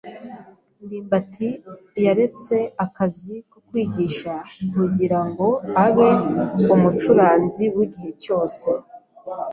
ndimbati yaretse akazi ko kwigisha kugirango abe umucuranzi wigihe cyose.